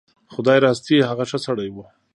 خدای راستي هغه ښه سړی و.